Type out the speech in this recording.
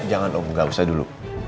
jangan gak usah dulu